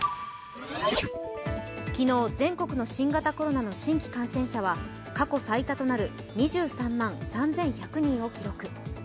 昨日、全国の新型コロナの新規感染者は過去最多となる２３万３１００人を記録。